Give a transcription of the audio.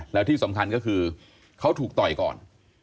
แล้วที่สำคัญก็คือเขาถูกต่อยก่อน